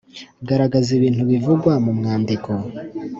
Garagaza ibintu bivugwa mu mwandiko